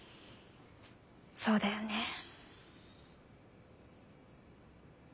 そうだよね。